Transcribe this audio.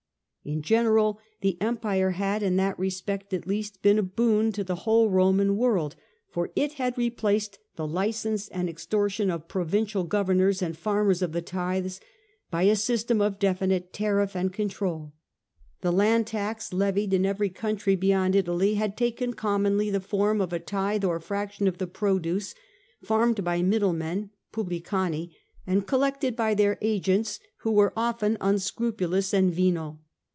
In general the empire had, in that respect at least, been a boon to the whole Roman world, for it had re placed the licence and extortion of provincial moderate at governors and farmers of the tithes by a ^^^t, system of definite tariff and control. The land tax levied in every country beyond Italy had taken commonly the form of a tithe or fraction of the produce, farmed by middlemen (publicani), and collected by their agents, who were often unscrupulous and venal.